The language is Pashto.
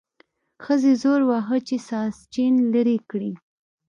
ښځې زور وواهه چې ساسچن لرې کړي.